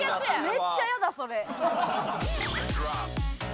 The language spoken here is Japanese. めっちゃイヤだそれ。